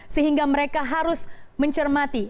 sehingga mereka harus mencermati